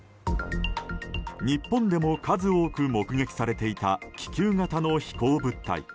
日本でも数多く目撃されていた気球型の飛行物体。